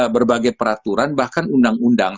berbagai peraturan bahkan undang undang